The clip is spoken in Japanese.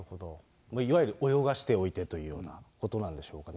いわゆる泳がしておいてというようなことなんでしょうかね。